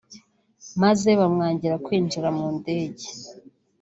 maze bamwangira kwinjira mu ndege